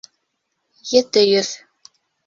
Ете йөҙ